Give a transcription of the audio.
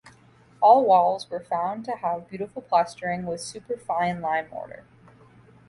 All walls were found to have beautiful plastering with superfine lime mortar.